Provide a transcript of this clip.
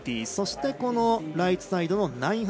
そして、ライトサイドの９００。